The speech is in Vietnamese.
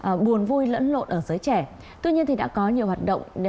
nhiều người vui lẫn lộn ở giới trẻ tuy nhiên đã có nhiều hoạt động